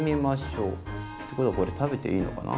ってことはこれ食べていいのかな？